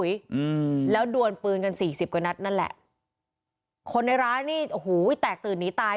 อืมแล้วดวนปืนกันสี่สิบกว่านัดนั่นแหละคนในร้านนี่โอ้โหแตกตื่นหนีตาย